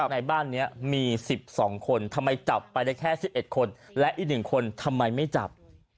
ในบ้านนี้มี๑๒คนทำไมจับไปได้แค่๑๑คนและอีก๑คนทำไมไม่จับ